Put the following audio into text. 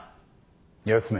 休め。